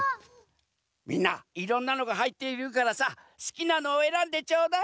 みんないろんなのがはいっているからさすきなのをえらんでちょうだい。